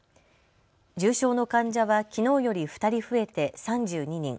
重症の患者はきのうより２人増えて３２人。